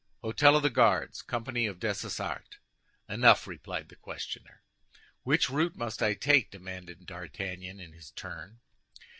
"Hôtel of the Guards, company of Dessessart." "Enough," replied the questioner. "Which route must I take?" demanded D'Artagnan, in his turn.